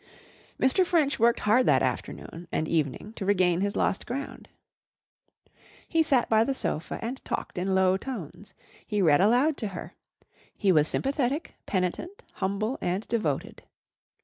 Mr. French worked hard that afternoon and evening to regain his lost ground. He sat by the sofa and talked in low tones. He read aloud to her. He was sympathetic, penitent, humble and devoted.